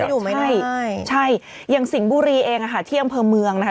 อยู่ไหมนี่ใช่อย่างสิงห์บุรีเองอ่ะค่ะที่อำเภอเมืองนะคะ